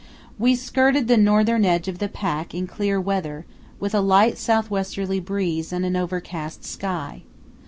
We skirted the northern edge of the pack in clear weather with a light south westerly breeze and an overcast sky.